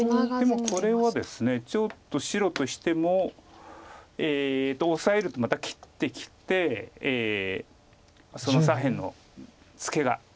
でもこれはですねちょっと白としてもオサえるとまた切ってきてその左辺のツケが。